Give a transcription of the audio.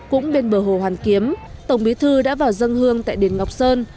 cũng bên bờ hồ hoàn kiếm tổng bí thư đã vào dân hương tại đền ngọc sơn